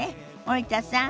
森田さん